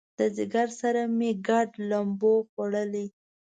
د ځیګر سره مې ګنډ لمبو خوړلی